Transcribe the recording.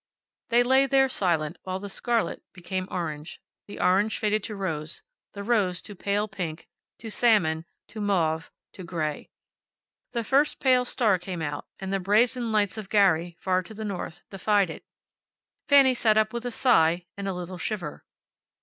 They lay there, silent, while the scarlet became orange, the orange faded to rose, the rose to pale pink, to salmon, to mauve, to gray. The first pale star came out, and the brazen lights of Gary, far to the north, defied it. Fanny sat up with a sigh and a little shiver.